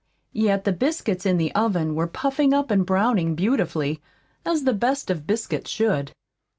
Yet the biscuits in the oven were puffing up and browning beautifully, as the best of biscuits should.